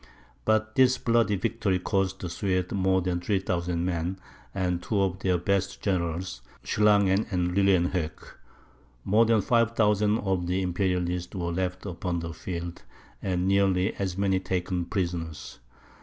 But this bloody victory cost the Swedes more than 3000 men, and two of their best generals, Schlangen and Lilienhoeck. More than 5000 of the Imperialists were left upon the field, and nearly as many taken prisoners.